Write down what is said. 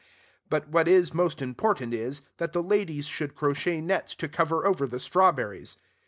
But what is most important is, that the ladies should crochet nets to cover over the strawberries.